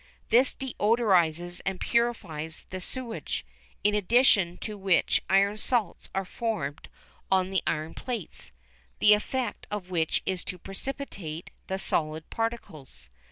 This deodorises and purifies the sewage, in addition to which iron salts are formed on the iron plates, the effect of which is to precipitate the solid particles.